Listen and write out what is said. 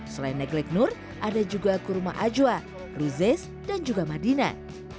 selain neglek nur ada juga kurma ajwa ruzes dan juga madinah